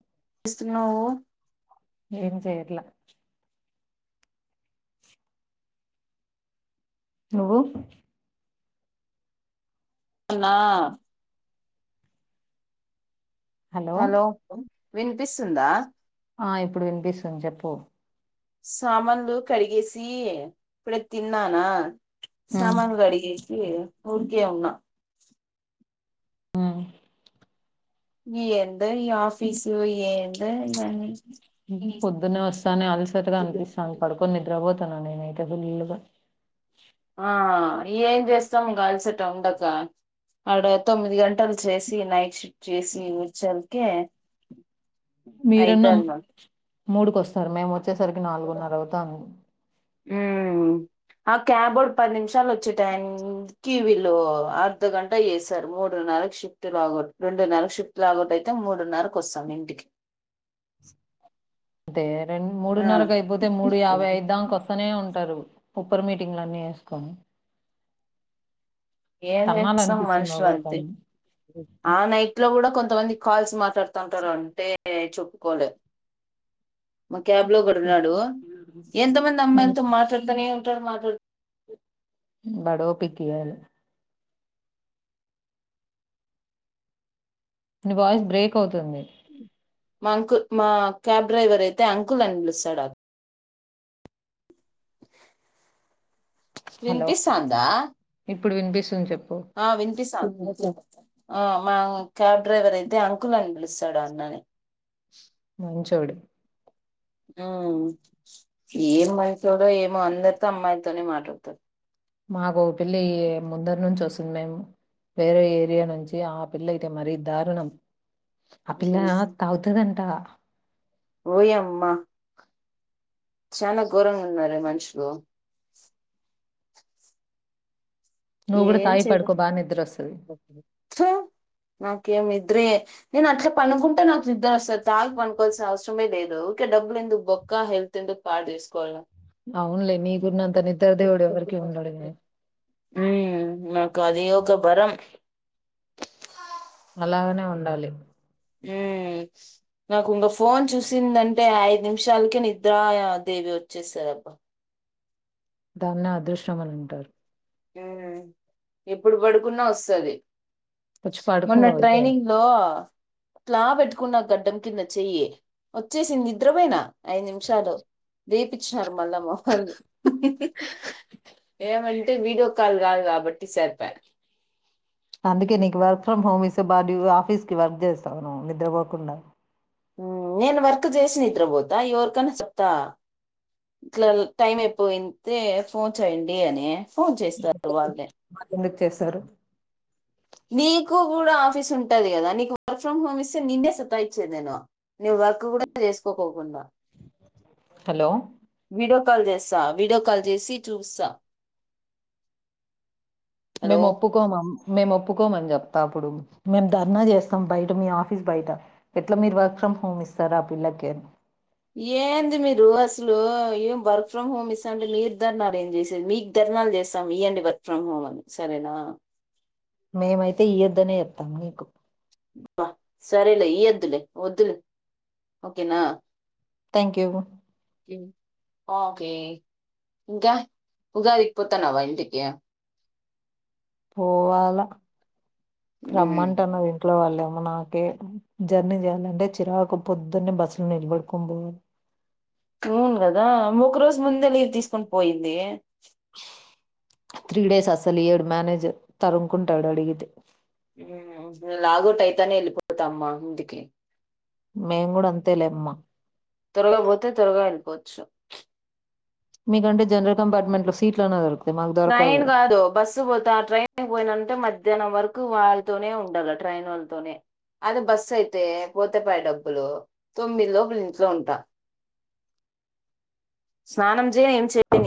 చేస్తున్నావు ఏం చేయట్లా నువ్వు అన్నా హలో వినిపిస్తుందా ఆ ఇప్పుడు వినిపిస్తుంది చెప్పు సామాన్లు కడిగేసి ఇప్పుడు తిన్నానా ఉమ్ సామాన్లు కడిగేసి ఊరికే ఉన్నా ఆ ఎందొ ఈ ఆఫీసు ఏంది ఇవ్వని పొద్దునే వస్తాని అలసటగా అనిపిస్తది పడుకొని నిద్రపో తన నేనైతే ఫుల్ గా ఆ ఏం చేస్తాం ఇంగ అలసట ఉండక ఆడ తొమ్మిది గంటలు చేసి నైట్ షిఫ్ట్ చేసి వచలకే మీరున్న మూడుకి వస్తారు మేము వచ్చేసరికి నాలుగున్నర అవుతంది ఉమ్ ఆ క్యాబ్ ఓడు పది నిమిషాలు వచ్చే టైం కి వీళ్ళు అర్ధ గంట చేసారు మూడు మూడు నాలుగు షిఫ్ట్ లాగట్ రెండు నరగు షిఫ్ట్ లాగొట్ అయితే మూడున్నరకు వస్తాం ఇంటికి అదే రెండు ఆ మూడున్నరకు అయిపోతే మూడు యాభై అఐదాక వస్తనే ఉంటారు ఉప్పురి మీటింగ్లన్నీ వేసుకొని ఏం తన్నాల చేస్తాం అనిపిస్తుంది మనుషులు అంతే ఒక్కొక్కరిని ఆ నైట్ లో కూడా కొంతమంది కాల్స్ మా మాట్లాడుతంటారు అంటే చెప్పుకోలేదు మా క్యాబ్ లో ఒకడు ఉన్నాడు ఎంత మంది ఉమ్. అమ్మాయితో మాట్లాడతానే ధర్ మాట్లాడుతూనే వాడి ఓపికయాల ని వాయిస్ బ్రేక్ అవుతుంది మా అంకుల్ మా క్యాబ్ డ్రైవర్ అయితే అంకుల్ అని పిలుస్తాడు అ హలో వినిపిస్తందా ఇప్పుడు వినిపిస్తుంది చెప్ప ఆ వినిపిస్తోంది ఆ మా క్యాబ్ డ్రైవర్ అయితే అంకుల్ అని పిలుస్తాడు అన్నని మంచోడు ఏం మంచిడో ఏమో అందరితో అమ్మాయితోనే మాట్లాడతాడు మాకు ఒక పిల్ల ముందరి నుంచి వస్తుంది మేము వేరే ఏరియా నుంచి ఆ పిల్ల అయితే మరీ దారుణం ఆ పిల్ల ఉమ్. తాగుతదంట వోయమ్మ చాలా ఘోరంగా ఉన్నరే మనుషులు నువ్వు కూడా ఏం తాగి చేయలేం పడుకో బాగా నిద్ర వస్తది నాకేం నిద్రే నేను అట్లా పనుకుంటే నాకు నిద్ర వంది తాగు పనుకోవాల్సిన అవసరమే లేదు ఊరికే డబ్బులు అందుకు బొక్క హెల్త్ ఎందుకు పాడు తీసుకోవడము అవునలే నీకు ఉన్నంత నిద్ద్ర దేవుడు ఎవ్వరికి ఉండడు నాకు అది ఒక వారం అలాగనే ఉండాలి హ నాకు ఇంక ఫోన్ చూసిందంటే ఐదు నిమిషాలకే నిద్రా దేవి వచ్చేస్తది అబ్బా దానే అదృష్టమని అంటారు ఆ ఎప్పుడు పడుకున్నా వస్తుది వచ్చి పడుకో మొన్న అయితే ట్రైనింగ్ లో పెట్టుకున్నా గడ్డం కింద చెయ్యి వచ్చేసింది నిద్రపోయినా ఐదు నిమిషాలు లేయిపించినారు మల్ల మా వాళ్ళు వీడియో కాల్ కాదు కాబట్టి సేర్ప అందుకే నీకు వర్క్ ఫ్రమ్ హోమ్ ఇస్తే బా ఆఫీస్ కి వర్క్ చేస్తావు నిద్రపోకుండా నేను వర్క్ చేసిన నిద్రపోతా ఎవరికి అయిన చెప్తా ఇట్లా టైం అయిపోయితే ఫోన్ చేయండి అని ఫోన్ చేస్తారట వాళ్ళే. చేశారు నీకు కూడా ఆఫీస్ ఉంటది కదా, నీకు వర్క్ ఫ్రమ్ హోమ్ ఇస్తే నిన్నే సతా ఇచ్చేది నేను. వర్క్ కూడా చేసుకోకోకుండా హలో! వీడియో కాల్ చేస్తా వీడియో కాల్ చేసి చూపిస్తా. హలో మేము ఒప్పుకోము, మేము ఒప్పు ఒప్పుకోమని చెప్తా, అప్పుడు మేము ధర్నా చేస్తాం బయట మీ ఆఫీస్ బయట ఎట్లా మీరు వర్క్ ఫ్రమ్ హోమ్ సార్ ఆపిల్లకి ఏంది, మీరు అసలు ఏం వర్క్ ఫ్రమ్ హోమ్ ఇస్తాంటే మీరు ధర్నా చేసేది మీరు ధర్నా. ధర్నాలు చేస్తాం ఇయ్యాండి వర్క్ ఫ్రమ్ హోమ్ అని సరేనా మేమైతే ఈయద్దనే చెబుతాం నీకు. అబ్బా సరేలే ఈయద్దులే, వద్దులే, ఓకేనా. Thank you okay. ఇంకా ఉగాది కి పోతాఉండావా ఇంటికి. పోవాల. ఉమ్. రమ్మంటున్నారు ఇంట్లో వాళ్ళేమో. నాకే జర్నీ చేయాలంటే చిరాకు పొద్దున్నే బస్సు నిలబడుకొని పోవాలి. అవును కదా, ఒక రోజు ముందే లీవ్ తీసుకుని పోయింది. త్రీ డేస్ అస్సలు ఈయడు మేనేజర్ తరుముకుంటాడు అడిగితే. లాగోట్ అయితానే వెళ్ళిపోతా అమ్మా ఇంటికి. మేంగూడ అంతే లెమ్మా. త్వరగా పోతే త్వరగా వెళ్లిపోవచ్చు. మీకంటే జనరల్ కంపార్ట్మెంట్ లో సీట్లు అన్నదొరకుతాయ్ ట్రైన్ కాదు బస్సుకట్ పోతా ట్రైన్ కి. పోవాలంటే మధ్యాహ్నం వరకు వాళ్ళతోనే ఉండాల ట్రైన్ వాళ్ళతోనే. అదే బస్సు అయితే పోతే పాయి డబ్బులు తొమ్మిది లోపలి ఇంట్లో ఉంటా. స్నానం చేయ ఏం చెప్పింది.